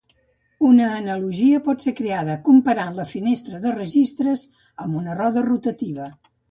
Una analogia pot ser creada comparant la finestra de registres amb una roda rotativa.